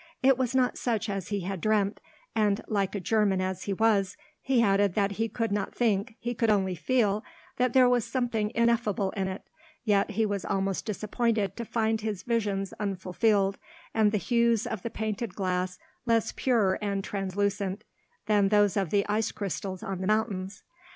It was not such as he had dreamt, and, like a German as he was, he added that he could not think, he could only feel, that there was something ineffable in it; yet he was almost disappointed to find his visions unfulfilled, and the hues of the painted glass less pure and translucent than those of the ice crystals on the mountains.